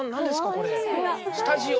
これスタジオ？